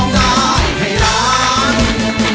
ใบเฟิร์นจ๋ารับแล้ว